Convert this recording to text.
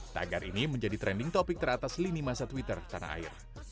tagar ini menjadi trending topic teratas lini masa twitter tanah air